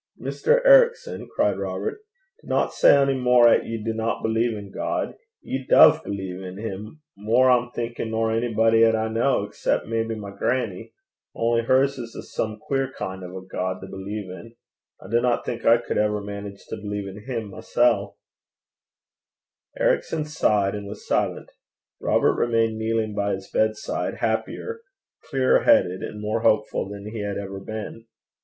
'Mr. Ericson,' cried Robert, 'dinna say ony mair 'at ye dinna believe in God. Ye duv believe in 'im mair, I'm thinkin', nor onybody 'at I ken, 'cep', maybe, my grannie only hers is a some queer kin' o' a God to believe in. I dinna think I cud ever manage to believe in him mysel'.' Ericson sighed and was silent. Robert remained kneeling by his bedside, happier, clearer headed, and more hopeful than he had ever been.